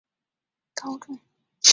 大甲高中